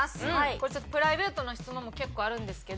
これちょっとプライベートな質問も結構あるんですけど。